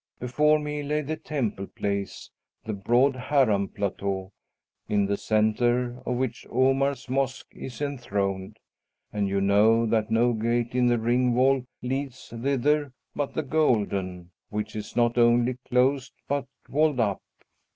Before me lay the temple place, the broad Haram plateau, in the centre of which Omar's Mosque is enthroned. And you know that no gate in the ring wall leads thither but the Golden, which is not only closed but walled up.